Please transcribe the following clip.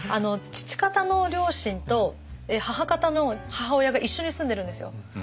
父方の両親と母方の母親が一緒に住んでるんですよ。